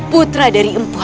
putra dari empuk